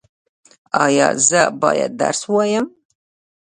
ایا زه باید درس ووایم؟